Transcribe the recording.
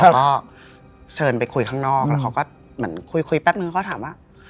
เขาก็เชิญไปคุยข้างนอกแล้วก็คุยแป๊บนึงเขาถามว่า